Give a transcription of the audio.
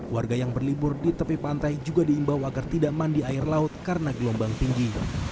warga yang berlibur di tepi pantai juga diimbau agar tidak mandi air laut karena gelombang tinggi